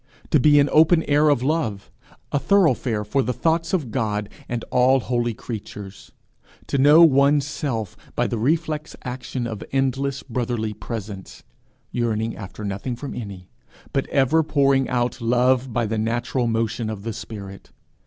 to be an open air of love, a thoroughfare for the thoughts of God and all holy creatures! to know one's self by the reflex action of endless brotherly presence yearning after nothing from any, but ever pouring out love by the natural motion of the spirit!